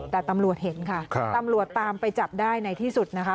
แต่ตำรวจเห็นค่ะตำรวจตามไปจับได้ในที่สุดนะคะ